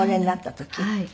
はい。